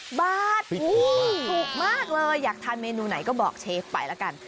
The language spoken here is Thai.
ฮุโตเขามากเลยถูกมากเลยอยากทานเมนูไหนก็บอกเชฟไปแล้วกัน